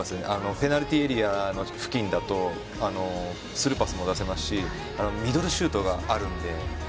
ペナルティーエリアの付近だとスルーパスも出せますしミドルシュートがあるので。